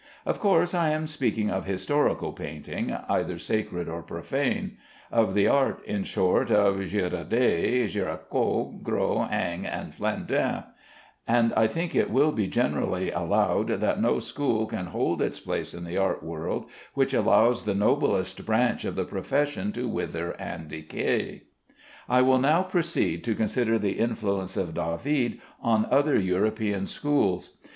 Of course I am speaking of historical painting, either sacred or profane; of the art, in short, of Girodet, Géricault, Gros, Ingres, and Flandrin; and I think it will be generally allowed that no school can hold its place in the art world which allows the noblest branch of the profession to wither and decay. I will now proceed to consider the influence of David on other European schools.